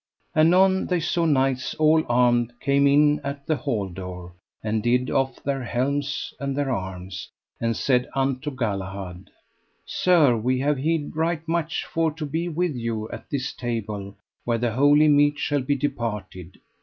Anon they saw knights all armed came in at the hall door, and did off their helms and their arms, and said unto Galahad: Sir, we have hied right much for to be with you at this table where the holy meat shall be departed.